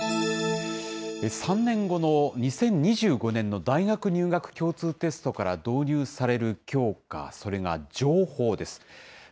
３年後の２０２５年の大学入学共通テストから導入される教科、それが情報です。